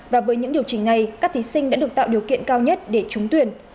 và với những điều chỉnh này các thí sinh đã được tạo điều kiện cao nhất để trúng tuyển